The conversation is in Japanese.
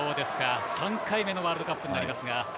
３回目のワールドカップになりますが。